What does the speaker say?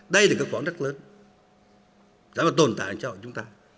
đây là cơ quan rất lớn sẽ tồn tại trong chúng ta